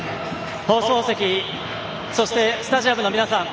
放送席、そしてスタジアムの皆さん。